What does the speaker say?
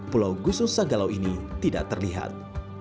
pulau gusung sanggalau ini tidak terlihat